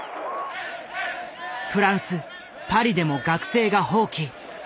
フランスパリでも学生が蜂起。